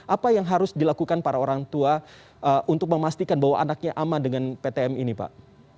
apa yang harus dilakukan para orang tua untuk memastikan bahwa anaknya aman dengan ptm ini pak